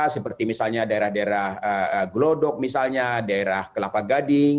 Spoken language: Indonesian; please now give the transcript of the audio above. seperti misalnya daerah daerah glodok misalnya daerah kelapa gading